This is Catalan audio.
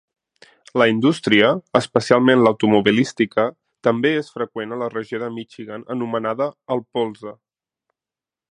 La indústria, especialment l'automobilística, també és freqüent a la regió de Michigan anomenada "el Polze".